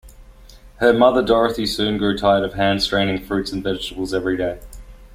Her mother Dorothy soon grew tired of hand-straining fruits and vegetables every day.